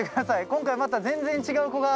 今回また全然違う子が。